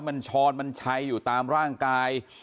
มันช้อนมันชัยอยู่ตามร่างกาย